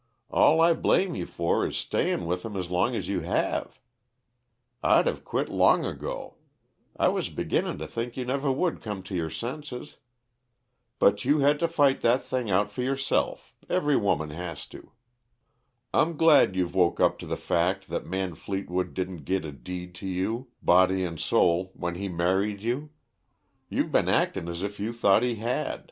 All I blame you for is stayin' with him as long as you have. I'd of quit long ago; I was beginnin' to think you never would come to your senses. But you had to fight that thing out for yourself; every woman has to. "I'm glad you've woke up to the fact that Man Fleetwood didn't git a deed to you, body and soul, when he married you; you've been actin' as if you thought he had.